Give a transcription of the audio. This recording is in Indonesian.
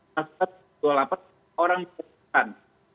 pasal dua puluh delapan orang ditemukan